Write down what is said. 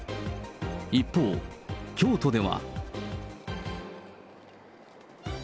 一方、京都では。